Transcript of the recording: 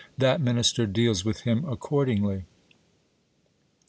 That minister deals with him accordingly.